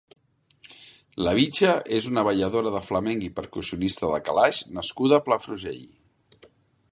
La Bicha és una balladora de flamenc i percussionista de calaix nascuda a Palafrugell.